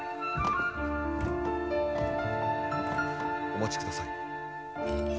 お待ちください。